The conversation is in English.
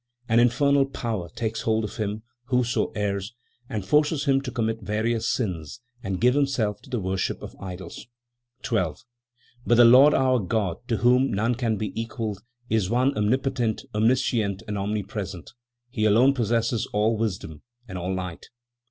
An infernal power takes hold of him who so errs, and forces him to commit various sins and give himself to the worship of idols. 12. "But the Lord our God, to whom none can be equalled, is one omnipotent, omniscient and omnipresent; He alone possesses all wisdom and all light.